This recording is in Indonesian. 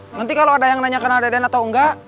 nanti kalo ada yang nanyakan ade adean atau enggak